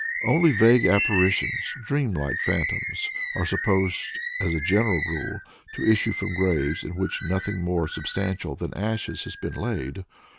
Only vague apparitions, dream like phantoms, are supposed, as a general rule, to issue from graves in which nothing more substantial than ashes has been laid.